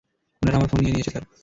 উনারা আমার ফোন নিয়ে নিয়েছে, স্যার।